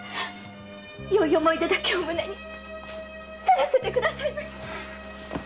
良い思い出だけを胸に去らせてくださいまし！